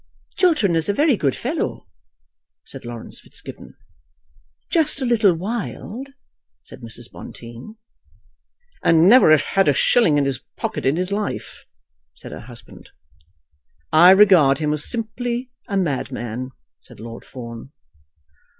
"Chiltern is a very good fellow," said Laurence Fitzgibbon. "Just a little wild," said Mrs. Bonteen. "And never had a shilling in his pocket in his life," said her husband. "I regard him as simply a madman," said Lord Fawn.